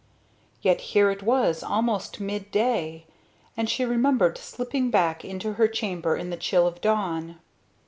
Yet here it was almost midday; and she remembered slipping back into her chamber in the chill of dawn.